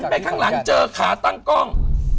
ไปข้างหลังเจอขาตั้งกล้อง